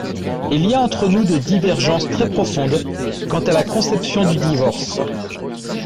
Il y a entre nous des divergences très profondes quant à la conception du divorce.